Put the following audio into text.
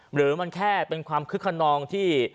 หรือมันแค่เป็นความคึกขนองที่